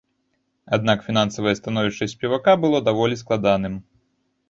Аднак фінансавае становішча спевака было даволі складаным.